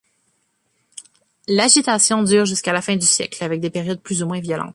L'agitation dure jusqu'à la fin du siècle, avec des périodes plus ou moins violentes.